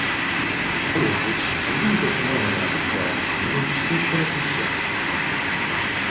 Columbus è l’unico comune della contea, e ne gestisce le funzioni.